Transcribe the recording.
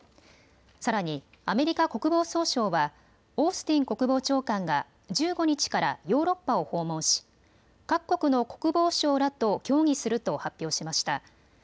さらにアメリカ国防総省はオースティン国防長官が１５日からヨーロッパを訪問し各国の国防相らと協議すると発表しました。